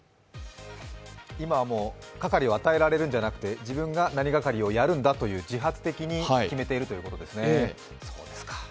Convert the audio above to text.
今はもう係を与えられるんじゃなくて、自分が何係をやるんだと、自発的に決めてるんだそうです。